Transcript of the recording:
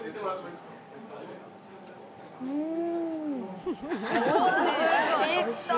うん。